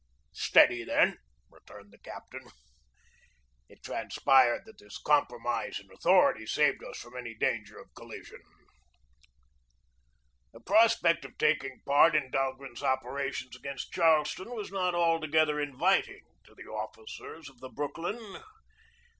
"Steady, then!" returned the captain. It trans pired that this compromise in authority saved us from any danger of collision. 114 ON THE JAMES RIVER 115 The prospect of taking part in Dahlgren's opera tions against Charleston was not altogether inviting to the officers of the Brooklyn.